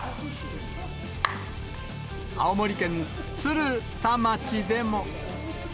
青森県鶴田町でも。